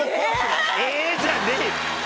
えぇ⁉じゃねえ！